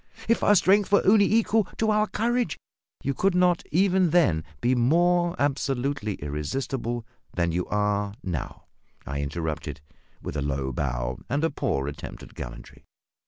If our strength were only equal to our courage " "You could not, even then, be more absolutely irresistible than you now are," I interrupted, with a low bow, and a poor attempt at gallantry.